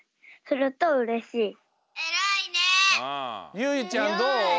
ゆうゆちゃんどう？